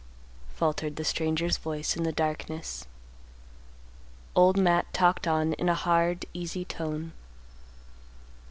faltered the stranger's voice in the darkness. Old Matt talked on in a hard easy tone.